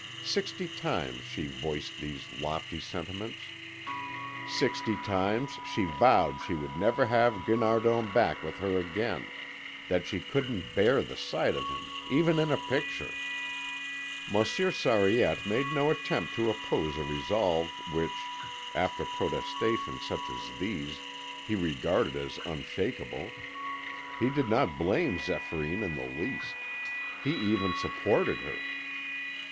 Sixty times she voiced these lofty sentiments; sixty times she vowed she would never have Guinardon back with her again, that she couldn't bear the sight of him, even in a picture. Monsieur Sariette made no attempt to oppose a resolve which, after protestations such as these, he regarded as unshakable. He did not blame Zéphyrine in the least. He even supported her.